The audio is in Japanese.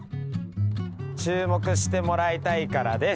注目してもらいたいからです！